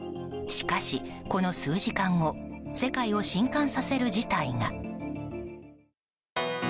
しかし、この数時間後世界を震撼させる事態が。